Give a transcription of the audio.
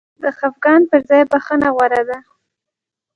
د خفګان پر ځای بخښنه غوره ده.